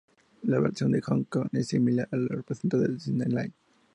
La versión de Hong Kong, es similar a la presentada en Disneyland.